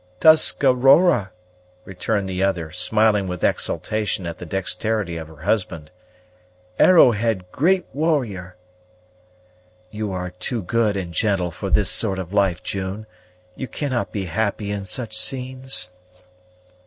"Tuscarora!" returned the other, smiling with exultation at the dexterity of her husband. "Arrowhead great warrior!" "You are too good and gentle for this sort of life, June; you cannot be happy in such scenes?"